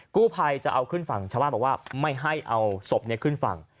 กู้ภัยจะเอาขึ้นฝั่งชาวบ้านบอกว่าไม่ให้เอาศพขึ้นฝั่ง